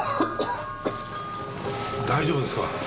大丈夫ですか？